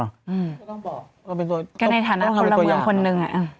ก็ต้องบอก